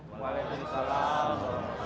assalamualaikum warahmatullahi wabarakatuh